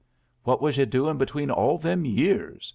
"What was you doin' between all them years?"